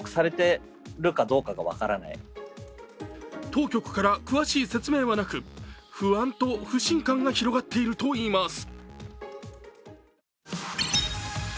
当局から詳しい説明はなく、不安と不信感が広がっているといいます。